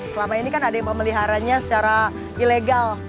selama ini kan ada yang mau meliharanya secara ilegal